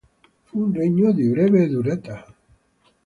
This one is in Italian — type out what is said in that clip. Fu un regno di breve durata.